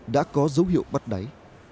đã có dấu hiệu bắt đáy